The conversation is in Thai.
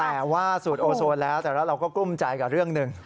แต่ว่าสูตรโอโซนแล้วแต่ว่าเราก็กลุ้มใจกับเรื่องหนึ่ง